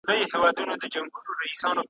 د پانوس جنازه وزي خپلي شمعي سوځولی `